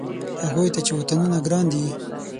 هغوی ته چې وطنونه ګران دي.